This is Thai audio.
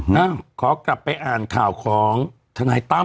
เอ้าขอกลับไปอ่านข่าวของทนายตั้ม